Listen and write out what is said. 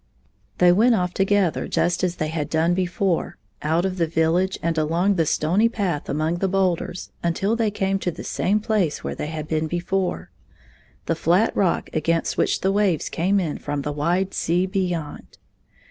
They went off together just as they had done before; out of the village and along the stony path among the boulders, until they came to the same place where they had been before — the flat rock against which the waves came in fi om the wide sea beyond.